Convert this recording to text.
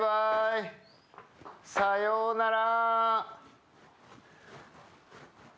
さようなら！